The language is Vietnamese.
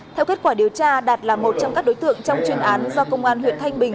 theo kết quả điều tra đạt là một trong các đối tượng trong chuyên án do công an huyện thanh bình